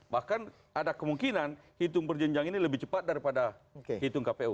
bahkan ada kemungkinan hitung berjenjang ini lebih cepat daripada hitung kpu